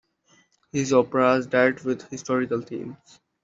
His operas dealt with historical themes.